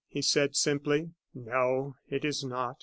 he said, simply. "No, it is not.